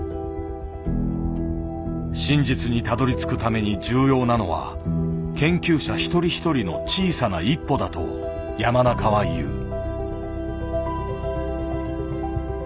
真実にたどりつくために重要なのは研究者一人一人の小さな一歩だと山中は言う。